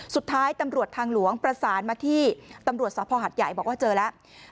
สุดท้ายตำรวจทางหลวงประสานมาที่ตำรวจสภหัดใหญ่บอกว่าเจอแล้ว